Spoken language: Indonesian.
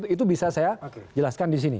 itu bisa saya jelaskan di sini